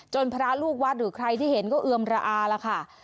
พระลูกวัดหรือใครที่เห็นก็เอือมระอาแล้วค่ะ